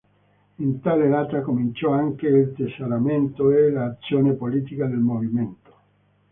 In tale data cominciò anche il tesseramento e l'azione politica del movimento.